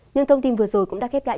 những thông tin vừa rồi cũng đã kết lại